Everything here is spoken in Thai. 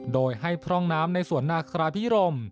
โดยให้พร่องน้ำในสวนนาคราพิรม